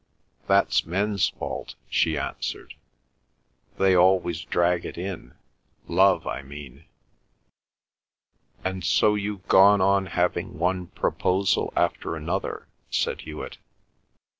"That's men's fault," she answered. "They always drag it in—love, I mean." "And so you've gone on having one proposal after another," said Hewet.